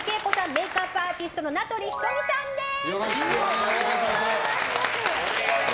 メイクアップアーティストの名取瞳さんです！